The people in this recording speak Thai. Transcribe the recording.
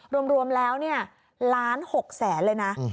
รวมแล้วเนี่ยล้านหกแสนเลยนะ